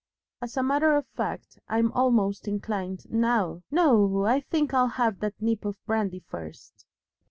As a matter of fact I'm almost inclined NOW . No! I think I'll have that nip of brandy first."